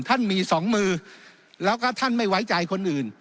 ท่านมีสองมือแล้วก็ท่านไม่ไว้ใจคนอื่น